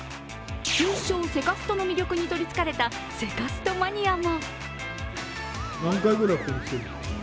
通称セカストの魅力にとりつかれたセカストマニアも。